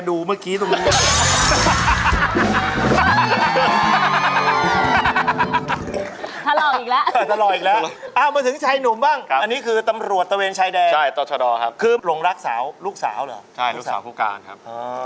นี่ไงดูดูเนื้อปุ๊บ